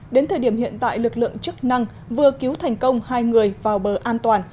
đến thời điểm hiện tại lực lượng chức năng vừa cứu thành công hai người vào bờ an toàn